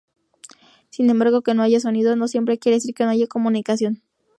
Sin embargo, que no haya sonido no siempre quiere decir que no haya comunicación.